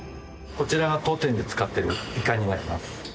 こちらが当店で使っているイカになります。